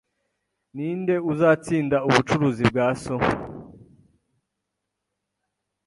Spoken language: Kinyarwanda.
Ninde uzatsinda ubucuruzi bwa so?